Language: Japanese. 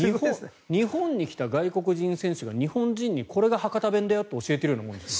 日本に来た外国人選手が日本人にこれが博多弁だよって教えてるようなもんですよ。